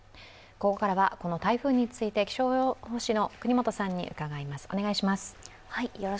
ここからは台風について気象予報士の國本さんに伺います。